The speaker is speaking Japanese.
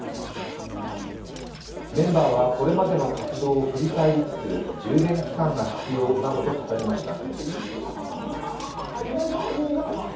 メンバーはこれまでの活動を振り返りつつ充電期間が必要などと語りました。